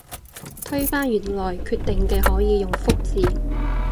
推翻原來決定嘅可以用覆字